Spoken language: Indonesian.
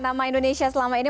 nama indonesia selama ini